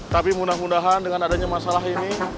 tapi mudah mudahan dengan adanya masalah ini